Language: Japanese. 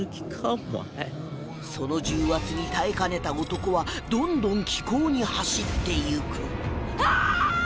その重圧に耐えかねた男はどんどん奇行に走っていくああーーっ！！